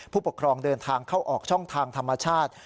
ผู้ปกครองเดินทางเข้าออกช่องทางธรรมชาติ